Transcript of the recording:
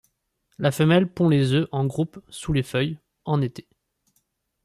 La femelle pond les œufs en groupe sous les feuilles, en été.